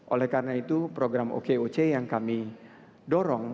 oleh karena itu program okoc yang kami dorong